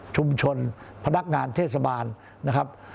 ชุมชนพนักงานเทศบาลนะครับ